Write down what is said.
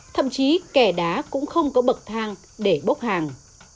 thậm chí kẻ đá cũng không có bậc thang để bốc hàng